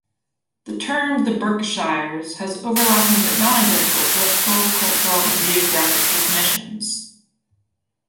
The term "The Berkshires" has overlapping but non-identical political, cultural, and geographic definitions.